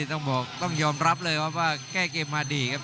แต่ครั้งนี้ต้องยอมรับเลยว่าแก้เกมมาดีครับ